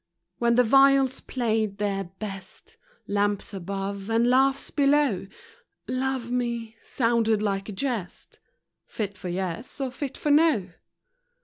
When the viols played their best, — Lamps above, and laughs below, — Love me sounded like a jest, Fit for Yes or fit for A r o.